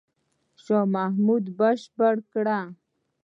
شاه محمود بشپړ کړ.